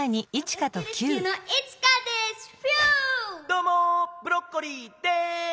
どうもブロッコリーです。